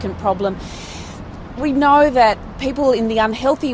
kami tahu bahwa orang orang di rangka peraturan kesehatan